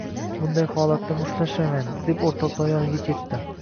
Bunday holatda mushtlashmayman, – deb oʻrtoqlari yoniga ketdi.